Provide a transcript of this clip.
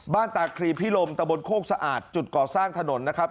ตาคลีพิลมตะบนโคกสะอาดจุดก่อสร้างถนนนะครับ